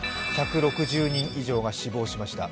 １６０人以上が死亡しました。